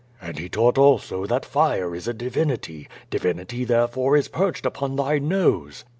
"And he taught also that fire is a divinity; divinity there fore is perched upon thy nose."